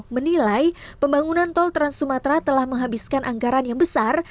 menilai pembangunan tol trans sumatera telah menghabiskan anggaran yang besar